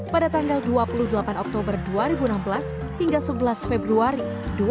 pada tanggal dua puluh delapan oktober dua ribu enam belas hingga sebelas februari dua ribu delapan belas